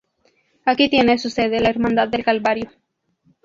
Aquí tiene su sede la Hermandad del Calvario.